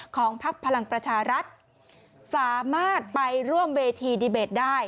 พักพลังประชารัฐสามารถไปร่วมเวทีดีเบตได้